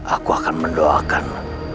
aku akan mendoakan